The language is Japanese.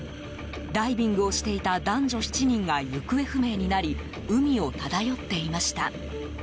ダイビングをしていた男女７人が行方不明になり海を漂っていました。